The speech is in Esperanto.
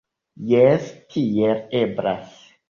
Jes, tiel eblas.